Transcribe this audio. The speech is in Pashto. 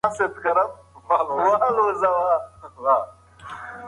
سعید په خپل شین قلم سره د کلا دروازه رسم کړه.